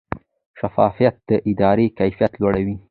شفافیت د ادارې کیفیت لوړوي.